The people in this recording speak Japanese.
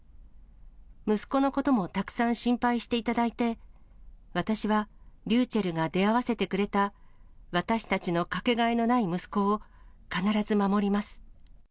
息子のこともたくさん心配していただいて、私はりゅうちぇるが出会わせてくれた、私たちのかけがえのない息子を必ず守ります。